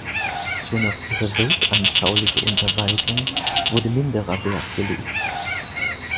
Schon auf ihre weltanschauliche Unterweisung wurde minderer Wert gelegt.